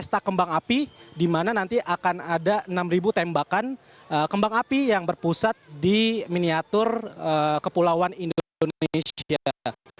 peserta kembang api dimana nanti akan ada enam ribu tembakan kembang api yang berpusat di miniatur kepulauan indonesia